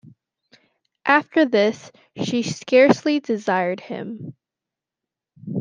After this she scarcely desired him.